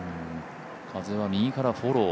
風は右からフォロー。